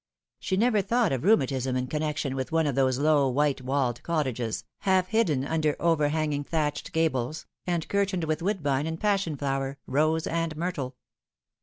She never thought of rheumatism in connection with one of those low white walled cottages, half hidden under overhanging thatched gables, and curtained with woodbine and passion flower, rose and myrtle.